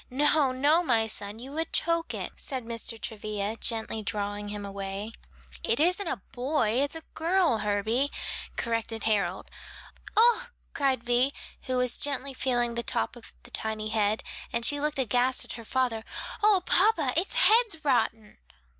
"No, no, my son, you would choke it," said Mr. Travilla, gently drawing him away. "It isn't a boy; it's a girl, Herbie," corrected Harold. "Oh!" cried Vi, who was gently feeling the top of the tiny head, and she looked aghast at her father, "O, papa, its head's rotten!"